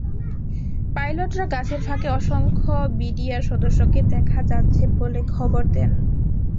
পাইলটরা গাছের ফাঁকে অসংখ্য বিডিআর সদস্যকে দেখা যাচ্ছে বলে খবর দেন।